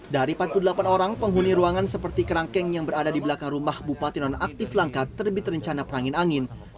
dari empat puluh delapan orang penghuni ruangan seperti kerangkeng yang berada di belakang rumah bupati nonaktif langkat terbit rencana perangin angin